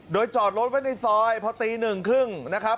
โดยจอดรถไว้ในซอยพอตีหนึ่งครึ่งนะครับ